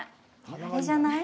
あれじゃない？